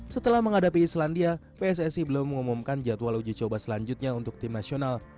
setelah menghadapi islandia pssi belum mengumumkan jadwal uji coba selanjutnya untuk tim nasional